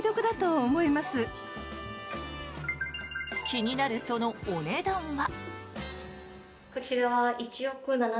気になるそのお値段は。